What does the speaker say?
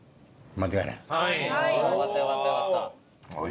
間違いない。